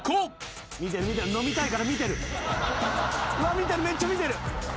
見てるめっちゃ見てる。